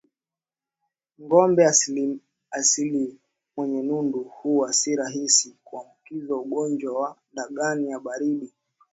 Ngombe asilia mwenye nundu huwa si rahisi kuambukizwa ugonjwa wa ndigana baridi